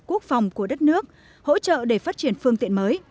quốc phòng của đất nước hỗ trợ để phát triển phương tiện mới